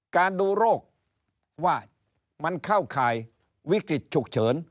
การดูโรคว่ามันเข้าข่ายวิกฤตฉุกเฉิน